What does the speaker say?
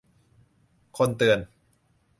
คนเตือน